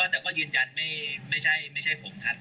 แต่ก็ยืนยันไม่ใช่ผมครับ